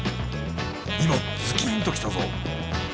今ズキンときたぞ。